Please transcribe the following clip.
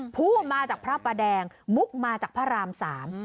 ผู้มาจากพระประแดงมุกมาจากพระรามสาม